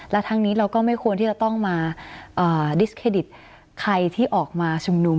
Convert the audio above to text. และทั้งนี้เราก็ไม่ควรที่จะต้องมาดิสเครดิตใครที่ออกมาชุมนุม